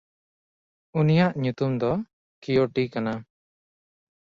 ᱩᱱᱤᱭᱟᱜ ᱧᱩᱛᱩᱢ ᱫᱚ ᱠᱤᱭᱚᱴᱤ ᱠᱟᱱᱟ᱾